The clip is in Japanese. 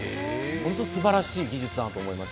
本当にすばらしい技術だなと思いました。